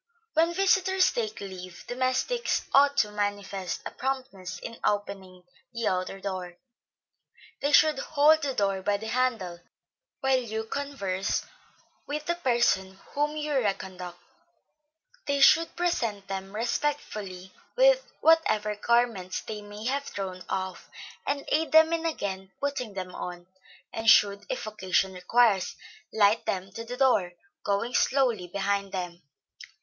When visitors take leave, domestics ought to manifest a promptness in opening the outer door; they should hold the door by the handle, while you converse with the person whom you reconduct; they should present them respectfully with whatever garments they may have thrown off, and aid them in again putting them on; and should, if occasion requires, light them to the door, going slowly behind them.